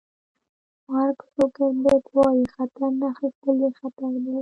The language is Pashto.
مارک زوګربرګ وایي خطر نه اخیستل لوی خطر دی.